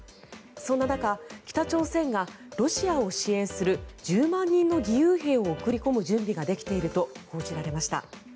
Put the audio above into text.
そんな中北朝鮮がロシアを支援する１０万人の義勇兵を送り込む準備ができていると報じられました。